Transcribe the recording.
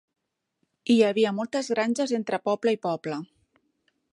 Hi havia moltes granges entre poble i poble.